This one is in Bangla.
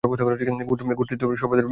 গোত্রের সর্বাধিনায়কও ছিল।